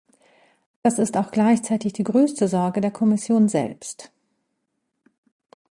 Das ist auch gleichzeitig die größte Sorge der Kommission selbst.